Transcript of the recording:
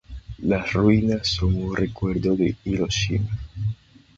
Las ruinas son un recuerdo de Hiroshima.